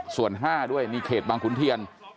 ส่วน๕ด้วยนี่เขตบางขุนเทียน